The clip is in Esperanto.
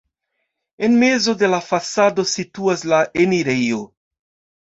En mezo de la fasado situas la enirejo.